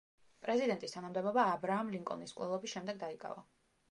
პრეზიდენტის თანამდებობა აბრაამ ლინკოლნის მკვლელობის შემდეგ დაიკავა.